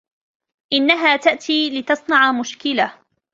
إنها تأتي لتصنع مشكلة.